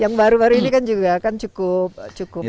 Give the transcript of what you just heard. yang baru baru ini kan juga cukup alat